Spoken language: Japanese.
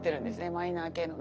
マイナー系の。